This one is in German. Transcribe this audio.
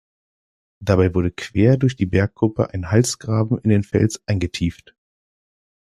Dabei wurde quer durch die Bergkuppe ein Halsgraben in den Fels eingetieft.